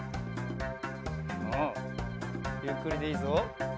おおゆっくりでいいぞ。